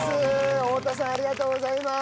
太田さんありがとうございます！